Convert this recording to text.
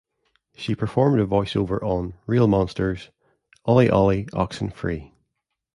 She performed a voice over on "Real Monsters" - "Ollie Ollie Oxen Free.